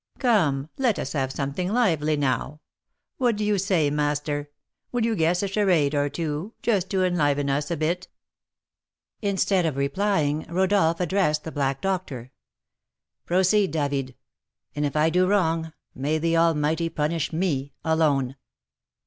Come, let us have something lively now. What do you say, master; will you guess a charade or two, just to enliven us a bit?" Instead of replying, Rodolph addressed the black doctor: "Proceed, David! And if I do wrong, may the Almighty punish me alone!"